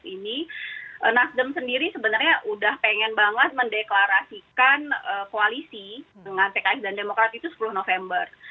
jadi dasem sendiri sebenarnya sudah ingin banget mendeklarasikan koalisi dengan pks dan demokrat itu sepuluh november